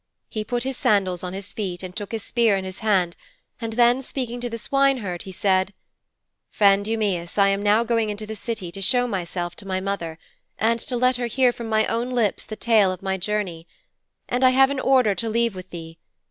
He put his sandals on his feet, and took his spear in his hand, and then speaking to the swineherd he said: 'Friend Eumæus, I am now going into the City to show myself to my mother, and to let her hear from my own lips the tale of my journey. And I have an order to leave with thee.